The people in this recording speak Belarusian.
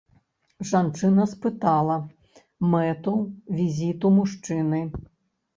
Жанчына спытала мэту візіту мужчыны.